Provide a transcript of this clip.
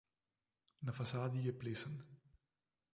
Na fasadi je plesen.